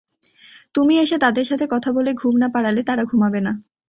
তুমি এসে তাদের সাথে কথা বলে ঘুম না পাড়ালে তারা ঘুমাবেনা।